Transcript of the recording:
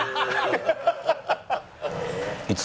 いつ？